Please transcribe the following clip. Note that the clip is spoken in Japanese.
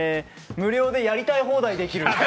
無料でやりたい放題できる？